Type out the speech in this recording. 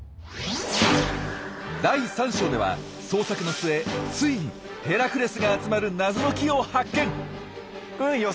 第３章では捜索の末ついにヘラクレスが集まる謎の木を発見！